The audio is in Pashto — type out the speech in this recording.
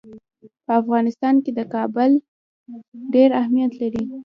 په افغانستان کې کابل ډېر اهمیت لري.